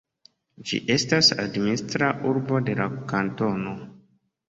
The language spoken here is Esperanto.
Ĝi estas administra urbo de la kantono.